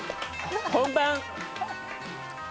本番。